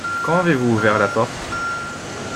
Quand avez-vous ouvert la porte ?